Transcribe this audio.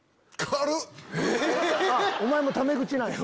お前もため口なんや。